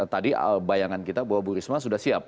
tadi bayangan kita bahwa bu risma sudah siap